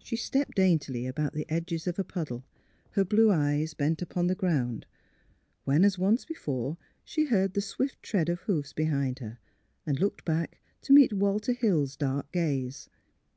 She stepped daintily about the edges of a puddle, her blue eyes bent upon the ground, when, as once before, she heard the swift tread of hoofs behind her and looked back to meet Walter Hill's dark gaze.